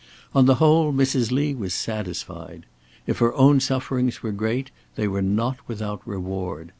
On the whole, Mrs. Lee was satisfied. If her own sufferings were great, they were not without reward.